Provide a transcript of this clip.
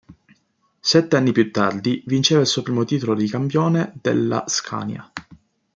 Sette anni più tardi vinceva il suo primo titolo di campione della Scania.